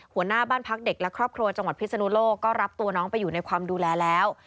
หัวหน้าบ้านพักเด็กและครอบครัวจังหวัดพิศนุโลกก็รับตัวน้องไปอยู่ในความดูแลแล้ว